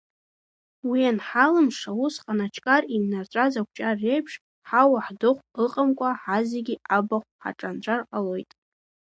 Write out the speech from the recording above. Уи анҳалымша, усҟан аҷкар иннарҵәаз акәҷар реиԥш ҳауа-ҳдыхәк ыҟамкәа ҳазегьы абахә ҳаҿанҵәар ҟалоит!